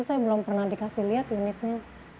saya belum pernah dikasih lihat unitnya